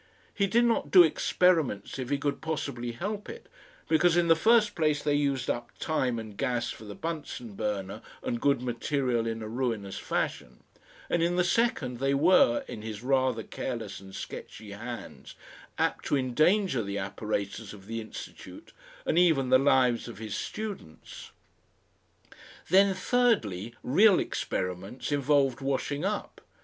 He did not do experiments if he could possibly help it, because in the first place they used up time and gas for the Bunsen burner and good material in a ruinous fashion, and in the second they were, in his rather careless and sketchy hands, apt to endanger the apparatus of the Institute and even the lives of his students. Then thirdly, real experiments involved washing up.